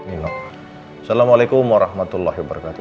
assalamualaikum warahmatullahi wabarakatuh